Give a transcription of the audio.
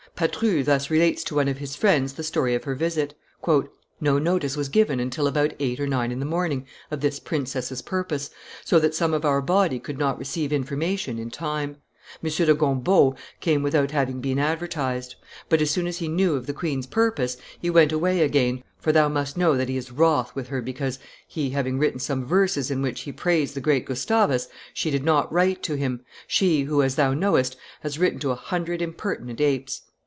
Patru thus relates to one of his friends the story of her visit: "No notice was given until about eight or nine in the morning of this princess's purpose, so that some of our body could not receive information in time. M. de Gombault came without having been advertised; but, as soon as he knew of the queen's purpose, he went away again, for thou must know that he is wroth with her because, he having written some verses in which he praised the great Gustavus, she did not write to him, she who, as thou knowest, has written to a hundred impertinent apes.